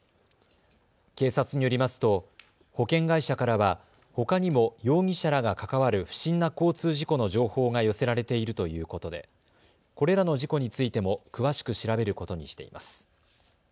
警察によりますと保険会社からはほかにも容疑者らが関わる不審な交通事故の情報が寄せられているということでこれらの事故についても詳しく調べることにしています。